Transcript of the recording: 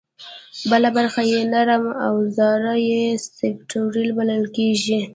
بله برخه یې نرم اوزار یا سافټویر بلل کېږي